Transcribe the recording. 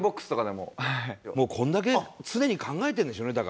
もうこんだけ常に考えてるんでしょうねだから。